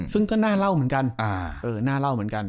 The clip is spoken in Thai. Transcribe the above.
ซึ่งก็หน้าเล่าเหมือนกัน